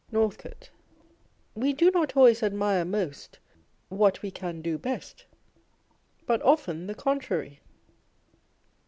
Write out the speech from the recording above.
Northcoie. We do not always admire most what we can do best ; but often the contrary.